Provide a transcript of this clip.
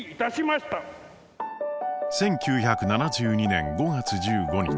１９７２年５月１５日。